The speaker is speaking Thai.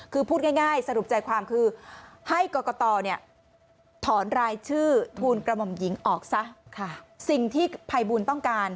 คือพูดง่ายสรุปใจความคือให้กรกตถอนรายชื่อทูลกระหม่อมหญิงออกซะ